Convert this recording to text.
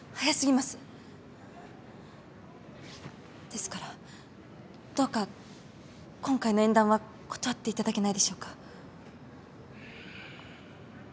ですからどうか今回の縁談は断っていただけないでしょうか。